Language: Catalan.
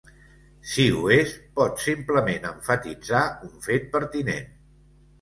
Si ho és, pot simplement emfatitzar un fet pertinent.